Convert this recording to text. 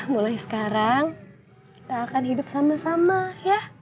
mulai sekarang kita akan hidup sama sama ya